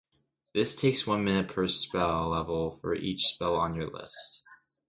This takes one minute per spell level for each spell on your list.